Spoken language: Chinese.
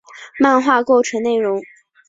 漫画构成内容。